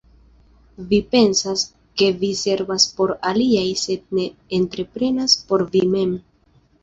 Vi pensas, ke vi servas por aliaj, sed ne entreprenas por vi mem!